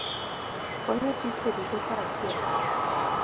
Wang'e chike duto kaachiel.